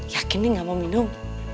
yakin nih gak mau minum